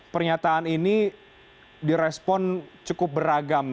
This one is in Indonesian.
pernyataan ini di respon cukup beragam